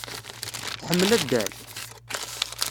Tḥemmel addal?